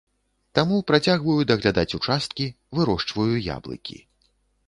Таму працягваю даглядаць участкі, вырошчваю яблыкі.